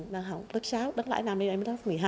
đang học lớp sáu đến lại là em lớp một mươi hai